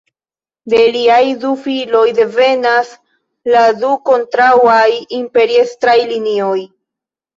De liaj du filoj devenas la du kontraŭaj imperiestraj linioj.